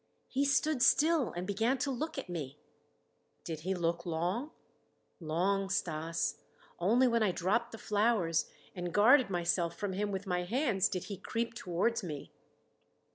"He stood still and began to look at me." "Did he look long?" "Long, Stas. Only when I dropped the flowers and guarded myself from him with my hands did he creep towards me."